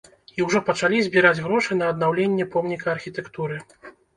І ўжо пачалі збіраць грошы на аднаўленне помніка архітэктуры.